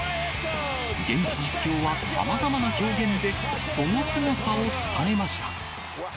現地実況は、さまざまな表現でそのすごさを伝えました。